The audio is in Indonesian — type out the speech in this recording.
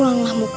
yang masuk ke aku